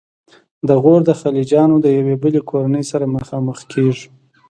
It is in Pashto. د غور د خلجیانو د یوې بلې کورنۍ سره مخامخ کیږو.